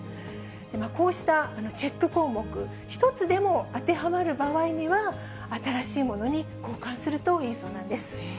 こうしたチェック項目、１つでも当てはまる場合には、新しいものに交換するといいそうなんです。